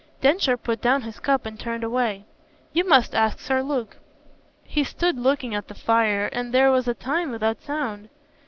Densher put down his cup and turned away. "You must ask Sir Luke." He stood looking at the fire and there was a time without sound.